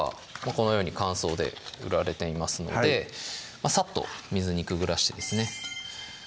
このように乾燥で売られていますのでさっと水にくぐらしてですね